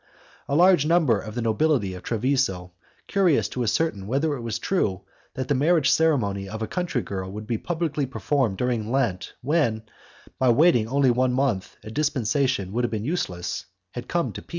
A large number of the nobility of Treviso, curious to ascertain whether it was true that the marriage ceremony of a country girl would be publicly performed during Lent when, by waiting only one month, a dispensation would have been useless, had come to P